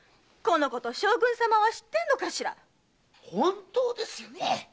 将軍様はこのことを知ってるのかしら⁉本当ですよね！